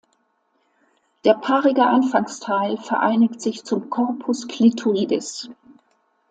Der paarige Anfangsteil vereinigt sich zum "Corpus clitoridis".